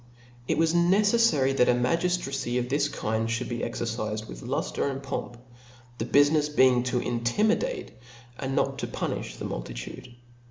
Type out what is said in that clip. It was necefiary that a ma giftracy of this kind ihould be exerciied with luftre and pomp, the bufinefs being to intimi date, and not to punilh the multitude.